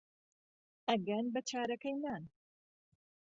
ئەگەن بە چارەکەی نان